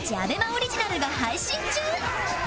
ＡＢＥＭＡ オリジナルが配信中